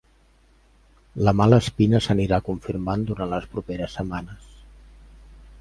La mala espina s'anirà confirmant durant les properes setmanes.